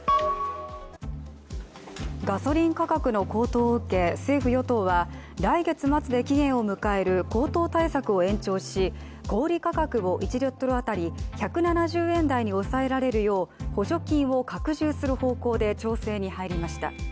ガソリン価格の高騰を受け、政府・与党は来月末で期限を迎える高騰対策を延長し、小売価格を１リットル当たり１７０円台に抑えられるよう補助金を拡充する方向で調整に入りました。